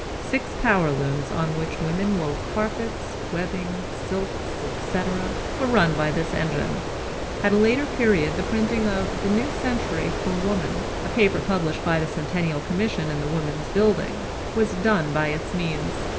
Six power looms, on which women wove carpets, webbing, silks, etc., were run by this engine. At a later period the printing of The New Century for Woman, a paper published by the centennial commission in the woman's building, was done by its means.